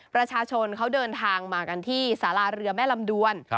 ประชาชนเขาเดินทางมากันที่สาราเรือแม่ลำดวน